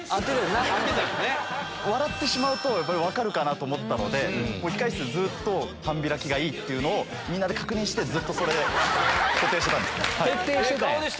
笑ってしまうと分かるかなと思ったので控室で半開きがいいっていうのをみんなで確認してそれ固定してたんです。